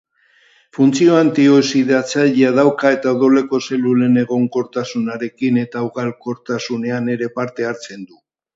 Funtzio antioxidatzailea dauka eta odoleko zelulen egonkortasunarekin eta ugalkortasunean ere parte hartzen du.